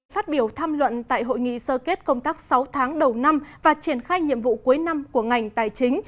phát biểu tham luận tại hội nghị sơ kết công tác sáu tháng đầu năm và triển khai nhiệm vụ cuối năm của ngành tài chính